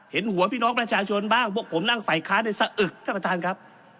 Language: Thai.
เห็นหัวพี่น้องประชาชนบ้างพวกผมนั่งฝ่ายค้าได้สะอึกท่านประธานครับ